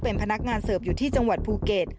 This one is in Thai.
วันที่สุด